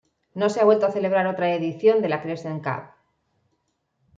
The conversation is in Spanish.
No se ha vuelto a celebrar otra edición de la Crescent Cup.